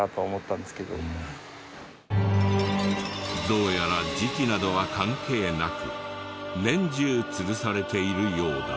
どうやら時期などは関係なく年中吊るされているようだ。